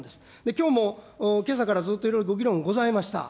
きょうもけさからずっと、いろいろご議論ございました。